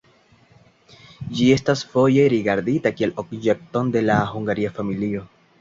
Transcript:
Ĝi estas foje rigardita kiel objekton de la Hungaria familio.